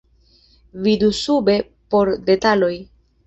Vidu sube por detaloj.